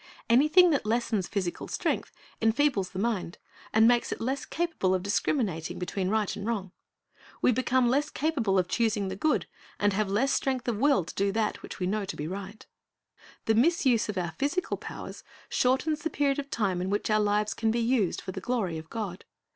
Anything that lessens physical strength enfeebles the mind, and makes it less capable of discriminating between right and wrong. We become less capable of choosing the good, and have less strength of will to do that which we know to be right. The misuse of our physical powers shortens the period of time in which our lives can be used for the glory of God.